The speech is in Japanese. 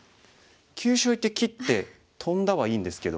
急所いって切ってトンだはいいんですけど。